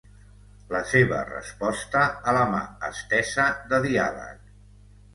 La seva resposta a la mà estesa de diàleg.